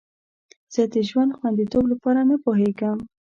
زه د ژوند خوندیتوب لپاره نه پوهیږم.